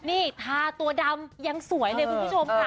นี่ทาตัวดำยังสวยเลยคุณผู้ชมค่ะ